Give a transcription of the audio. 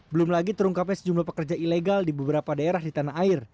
belum lagi terungkapnya sejumlah pekerja ilegal di beberapa daerah di tanah air